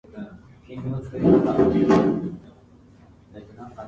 The mail was transferred to "Java".